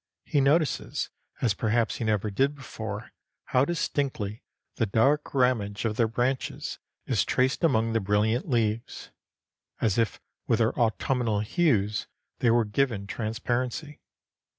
He notices, as perhaps he never did before, how distinctly the dark ramage of the branches is traced among the brilliant leaves, as if with their autumnal hues they were given transparency.